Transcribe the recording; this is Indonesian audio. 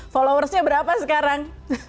followersnya berapa sekarang